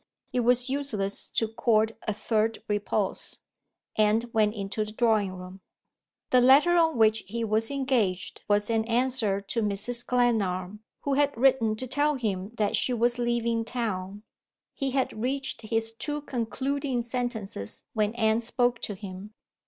It was useless to court a third repulse. Anne went into the drawing room. The letter on which he was engaged was an answer to Mrs. Glenarm, who had written to tell him that she was leaving town. He had reached his two concluding sentences when Anne spoke to him.